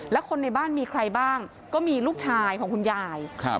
แล้วคนในบ้านมีใครบ้างก็มีลูกชายของคุณยาย